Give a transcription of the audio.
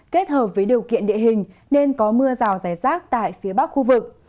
kết hợp với điều kiện địa hình nên có mưa rào rải rác tại phía bắc khu vực